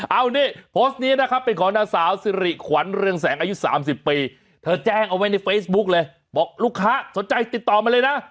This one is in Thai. เอานี่โพสต์นี้นะครับเป็นของนางสาวสิริขวัญเรืองแสงอายุ๓๐ปีเธอแจ้งเอาไว้ในเฟซบุ๊กเลยบอกลูกค้าสนใจติดต่อมาเลยนะ